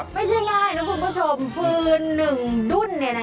ไม่ใช่ง่ายนะคุณผู้ชมฟืนหนึ่งรุ่น